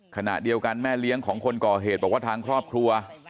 ขณะเดียวกันแม่เลี้ยงของคนก่อเหตุบอกว่าทางครอบครัว